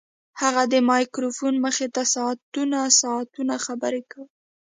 هغه د مایکروفون مخې ته ساعتونه ساعتونه خبرې کولې